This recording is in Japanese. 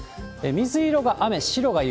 水色が雨、白が雪。